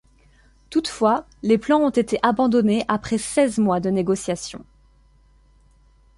Toutefois, les plans ont été abandonnés après seize mois de négociations.